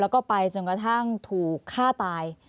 แล้วก็ไปจนกระทั่งถูกฆ่าตาย